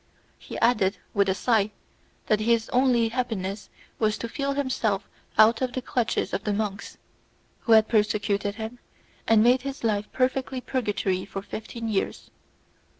He added, with a sigh, that his only happiness was to feel himself out of the clutches of the monks, who had persecuted him, and made his life a perfect purgatory for fifteen years.